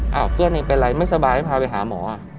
เห้าเพื่อนเป็นอะไรไม่สบายพาไปหาหมอ